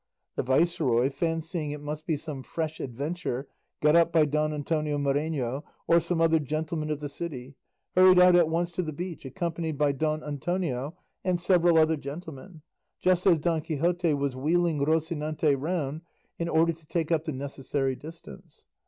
The viceroy, fancying it must be some fresh adventure got up by Don Antonio Moreno or some other gentleman of the city, hurried out at once to the beach accompanied by Don Antonio and several other gentlemen, just as Don Quixote was wheeling Rocinante round in order to take up the necessary distance.